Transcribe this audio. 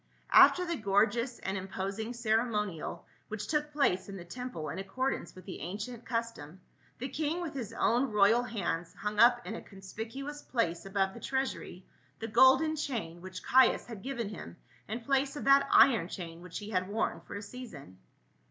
After the gorgeous and imposing ceremonial which took place in the temple in accordance with the ancient custom the king with his own royal hands hung up in a conspicuous place above the treasuiy the golden chain, which Caius had given him in place of that iron chain which he had worn for a season.